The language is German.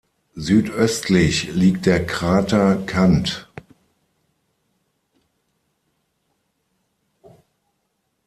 Südöstlich liegt der Krater Kant.